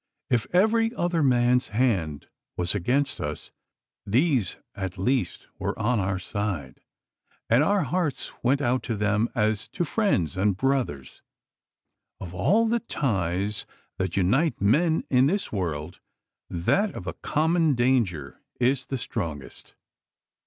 If every other man's hand was against us, these at least were on our side, and our hearts went out to them as to friends and brothers. Of all the ties that unite men in this world, that of a common danger is the strongest.